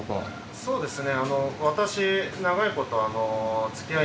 そうですね。